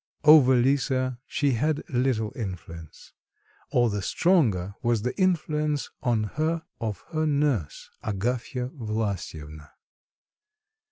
Over Lisa she had little influence; all the stronger was the influence on her of her nurse, Agafya Vlasyevna.